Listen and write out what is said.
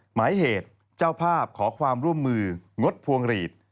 หมายเหตุเจ้าภาพขอความร่วมมืองดพวงหลีด